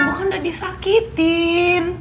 bukan udah disakitin